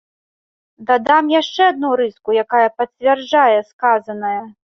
Дадам яшчэ адну рыску, якая пацвярджае сказанае.